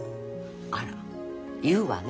あら言うわね。